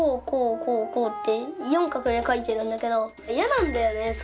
こうこうこうって四画で書いてるんだけどやなんだよね